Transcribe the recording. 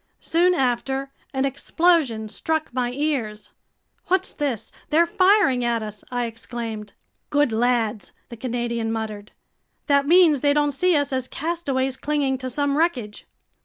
Soon after, an explosion struck my ears. "What's this? They're firing at us!" I exclaimed. "Good lads!" the Canadian muttered. "That means they don't see us as castaways clinging to some wreckage!"